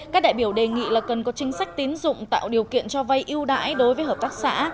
các đại biểu đề nghị là cần có chính sách tín dụng tạo điều kiện cho vay ưu đãi đối với hợp tác xã